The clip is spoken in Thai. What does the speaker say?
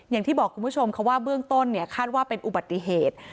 อย่างที่บอกคุณผู้ชมค่ะว่าเบื้องต้นเนี่ยคาดว่าเป็นอุบัติเหตุ